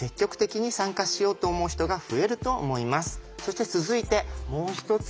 そして続いてもう一つ。